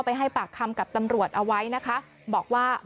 ให้ปากคำกับตำรวจเอาไว้นะคะบอกว่า